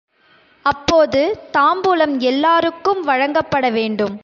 அப்போது தாம்பூலம் எல்லாருக்கும் வழங்கப்பட வேண்டும்.